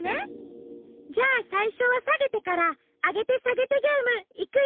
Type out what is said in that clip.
じゃあさいしょはさげてからあげてさげてゲームいくよ！